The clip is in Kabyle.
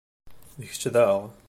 D kečč daɣ?